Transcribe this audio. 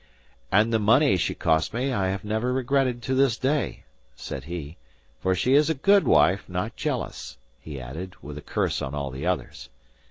"And the money she cost me I have never regretted to this day," said he, "for she is a good wife not jealous," he added, with a curse on all the others.